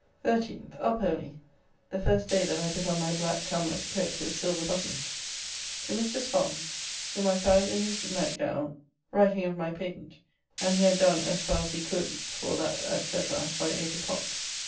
13th. Up early, the first day that I put on my black camlett coat with silver buttons. To Mr. Spong, whom I found in his night down writing of my patent, and he had done as far as he could "for that &c." by 8 o'clock.